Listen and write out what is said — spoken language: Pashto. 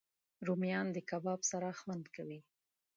رومیان د کباب سره خوند کوي